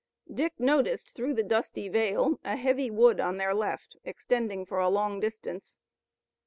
Dick noticed through the dusty veil a heavy wood on their left extending for a long distance.